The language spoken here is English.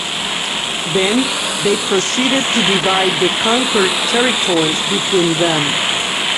Then they proceeded to divide the conquered territories between them.